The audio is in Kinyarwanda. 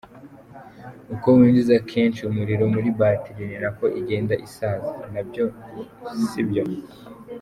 Uko winjiza kenshi umuriro muri batiri ni nako igenda isaza : Na byo si byo.